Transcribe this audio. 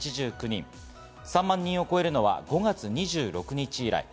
３万人を超えるのは５月２６日以来。